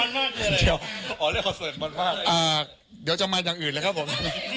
เดี๋ยวจะมาอย่างอื่นเลยครับผม